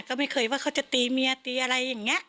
ก็ไม่เคยว่าเขาจะตีเมียตีอะไรอย่างนี้